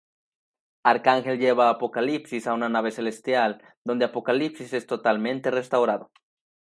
Arcángel lleva a Apocalipsis a una nave Celestial, donde Apocalipsis es totalmente restaurado.